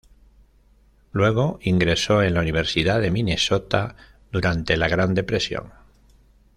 Luego ingresó en la Universidad de Minnesota, durante la Gran Depresión.